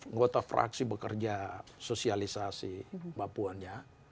ngota fraksi bekerja sosialisasi mbak puannya